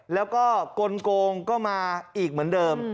แล้วก็กลงก็มาอีกเหมือนเดิม